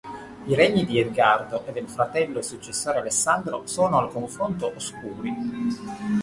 I regni di Edgardo e del fratello e successore Alessandro sono al confronto oscuri.